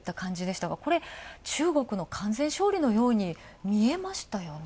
これ中国の完全勝利のように見えましたよね。